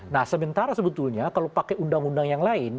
nah sementara sebetulnya kalau pakai undang undang yang lain